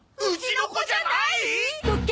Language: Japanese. うちの子じゃない！？